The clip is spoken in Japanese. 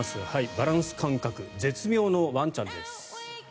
バランス感覚絶妙のワンちゃんです。